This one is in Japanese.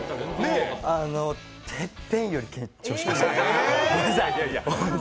「ＴＥＰＰＥＮ」より緊張しましたね。